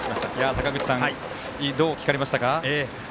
坂口さん、どう聞かれましたか？